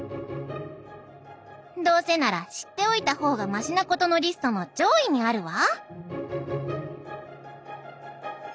「『どうせなら知っておいた方がましなこと』のリストの上位にあるわ」。